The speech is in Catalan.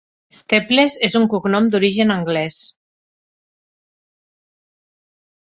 Steeples és un cognom d'origen anglès.